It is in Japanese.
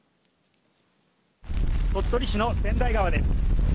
鳥取市の千代川です。